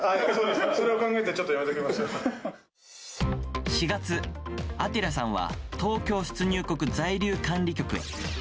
それを考えてちょっとやめて４月、アティラさんは東京出入国在留管理局へ。